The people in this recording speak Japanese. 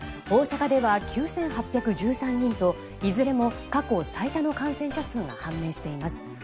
大阪では９８１３人といずれも過去最多の感染者数が判明しています。